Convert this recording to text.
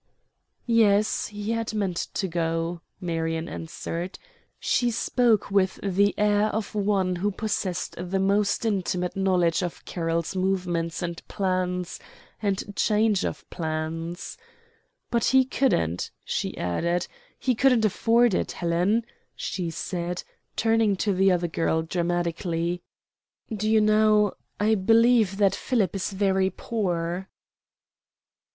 "Yes, he had meant to go," Marion answered. She spoke with the air of one who possessed the most intimate knowledge of Carroll's movements and plans, and change of plans. "But he couldn't," she added. "He couldn't afford it. Helen," she said, turning to the other girl, dramatically, "do you know I believe that Philip is very poor."